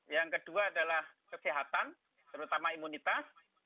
yang kedua adalah kesehatan terutama imunitas